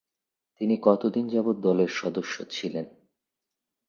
তিনি কতদিন যাবৎ দলের সদস্য ছিলেন।